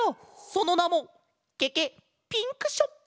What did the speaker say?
そのなもケケッピンクショップ！